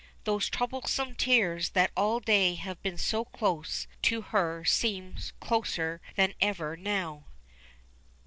Those troublesome tears that all day have been so close to her seem closer than ever now.